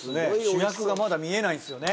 主役がまだ見えないです